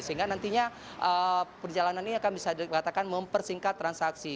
sehingga nantinya perjalanan ini akan bisa dikatakan mempersingkat transaksi